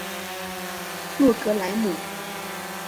洛格莱姆。